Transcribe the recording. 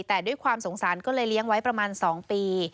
แต่ผ่านสงสารก็เลี้ยงไว้ประมาณสองปี